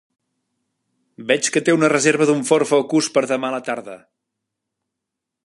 Veig que té una reserva d'un Ford Focus per demà a la tarda.